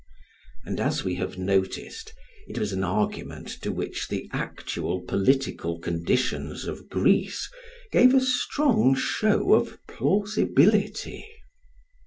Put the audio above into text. And, as we have noticed, it was an argument to which the actual political conditions of Greece gave a strong show of plausibility.